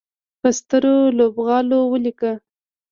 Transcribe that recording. په سترو لوبغالو ولیکه